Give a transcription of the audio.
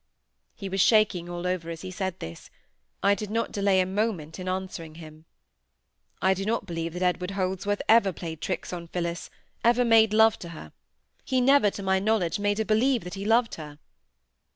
He was shaking all over as he said this. I did not delay a moment in answering him,— "I do not believe that Edward Holdsworth ever played tricks on Phillis, ever made love to her; he never, to my knowledge, made her believe that he loved her."